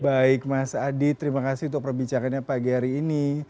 baik mas adi terima kasih untuk perbicaraannya pagi hari ini